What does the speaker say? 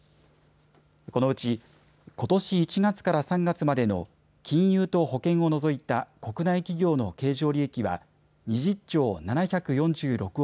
このうちことし１月から３月までの金融と保険を除いた国内企業の経常利益は２０兆７４６億